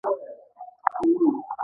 رښتينی ملګری هميشه ستا تر شا ولاړ دی